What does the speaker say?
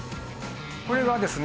これはですね